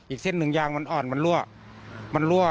อีกเส้นหนึ่งยางมันอ่อนมันรั่วมันรั่ว